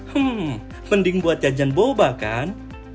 hmm mending buat jajan boba kan